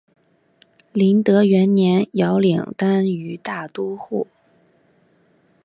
麟德元年遥领单于大都护。